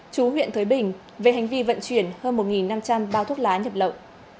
chú huyện thới bình về hành vi vận chuyển hơn một năm trăm linh bao thuốc lá nhập lậu